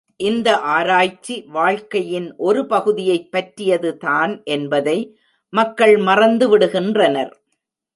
இந்த ஆராய்ச்சி, வாழ்க்கையின் ஒரு பகுதியைப் பற்றியதுதான் என்பதை மக்கள் மறந்து விடுகின்றனர்.